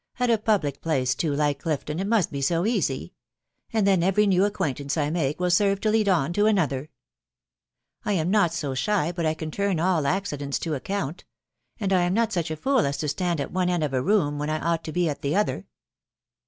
.... At a public place, too, like Clifton, it must be so easy I And then, every new acquaintance I make will serve to lead oxv to waftier. THE WIDOW BARNABY. 71 .... I am not so shy but I can turn all accidents to account; and I am not such a fool as to stand at one end of a room, when I ought to be at the other.